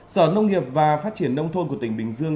sở nông nghiệp và phát triển nông thôn của tỉnh bình dương